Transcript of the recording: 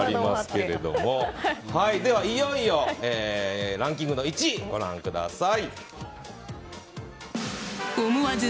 いよいよ、ランキングの１位をご覧ください。